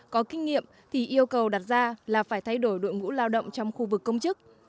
có kinh nghiệm thì yêu cầu đặt ra là phải thay đổi đội ngũ lao động trong khu vực công chức